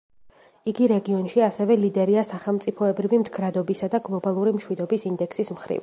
იგი რეგიონში ასევე ლიდერია სახელმწიფოებრივი მდგრადობისა და გლობალური მშვიდობის ინდექსის მხრივ.